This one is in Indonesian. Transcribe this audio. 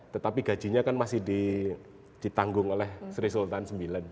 tetapi gajinya kan masih ditanggung oleh sri sultan ix